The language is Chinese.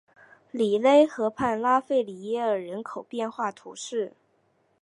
里勒河畔拉费里耶尔人口变化图示